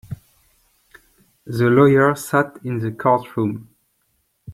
The lawyer sat in the courtroom.